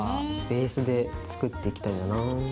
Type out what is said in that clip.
ベースで作っていきたいんだよな。